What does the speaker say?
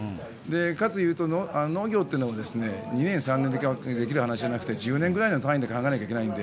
かつ、農業ってのは２年、３年っていう単位でできるものじゃなくて１０年ぐらいの単位で考えなきゃいけないので。